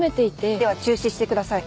では中止してください。